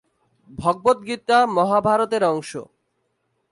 ভগবদ্গীতা মহাভারত-এর অংশ।